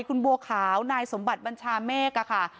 คุณบัวขาวนายสมบัติบัญชาเมฆค่ะ